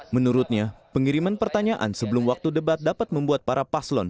menurutnya pengiriman pertanyaan sebelum waktu debat dapat membuat para paslon